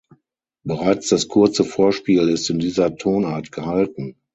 Bereits das kurze Vorspiel ist in dieser Tonart gehalten.